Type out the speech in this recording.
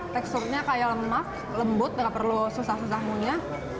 teksturnya kayak lemak lembut gak perlu susah susah punya